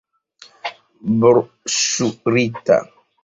Broŝurita.